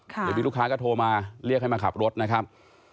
เดี๋ยวมีลูกค้าก็โทรมาเรียกให้มาขับรถนะครับ